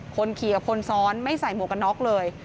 คนขี่กับคนซ้อนไม่ใส่หมวกกันน็อกเลย